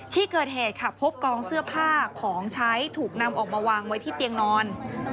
ที่เกิดเหตุค่ะพบกองเสื้อผ้าของใช้ถูกนำออกมาวางไว้ที่เตียงนอน